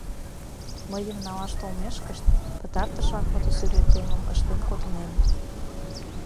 Мыйым налаш толмешкышт, пытартышлан фотосӱретемым ыштен кодынем.